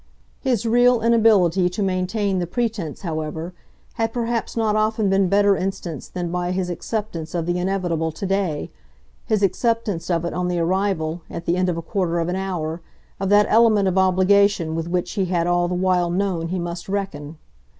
His real inability to maintain the pretence, however, had perhaps not often been better instanced than by his acceptance of the inevitable to day his acceptance of it on the arrival, at the end of a quarter of an hour, of that element of obligation with which he had all the while known he must reckon.